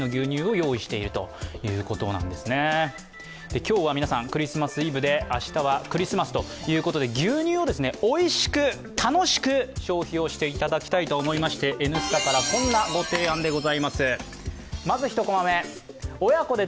今日はクリスマスイブで明日はクリスマスということで、牛乳をおいしく楽しく消費をしていただきたいと思いまして「Ｎスタ」からこんなご提案でございます。